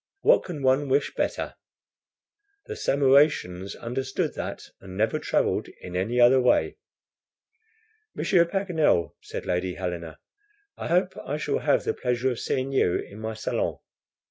What can one wish better? The Samaratians understood that, and never traveled in any other way." "Monsieur Paganel," said Lady Helena, "I hope I shall have the pleasure of seeing you in my SALONS."